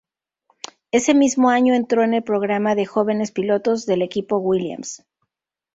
Ese mismo año entró en el programa de jóvenes pilotos del equipo Williams.